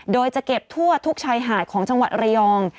โดยจะเก็บทั่วทุกชายหาดของจังหวัดระยอง